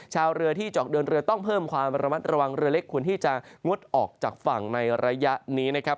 ชาวเรือที่เจาะเดินเรือต้องเพิ่มความระมัดระวังเรือเล็กควรที่จะงดออกจากฝั่งในระยะนี้นะครับ